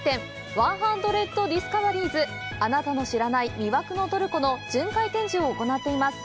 「ワンハンドレッドディスカバリーズあなたの知らない魅惑のトルコ」の巡回展示を行っています。